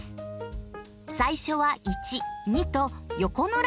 最初は１２と横のラインを切ります。